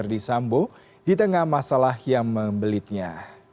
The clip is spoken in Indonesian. verdi sambo di tengah masalah yang membelitnya